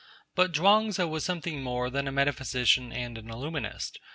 But Chuang Tzu was something more than a metaphysician and an illuminist.